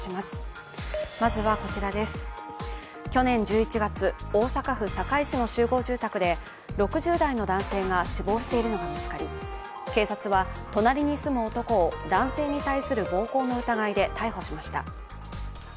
去年１１月、大阪府堺市の集合住宅で６０代の男性が死亡しているのが見つかり、警察は隣に住む男を男性に対する暴行の疑いで逮捕しました。